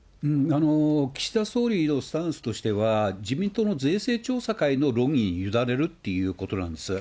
岸田総理のスタンスとしては、自民党の税制調査会の論議に委ねるということなんですね。